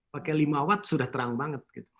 pakai lima watt sudah terang banget